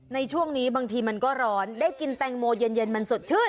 ในช่วงนี้บางทีมันก็ร้อนได้กินแตงโมเย็นมันสดชื่น